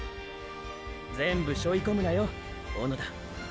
全部しょい込むなよ小野田。